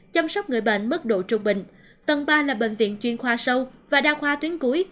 chăm sóc người bệnh mức độ trung bình tầng ba là bệnh viện chuyên khoa sâu và đa khoa tuyến cuối